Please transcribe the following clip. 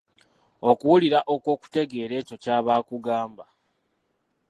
Okuwulira okw’okutegeera ekyo kya bakugamba.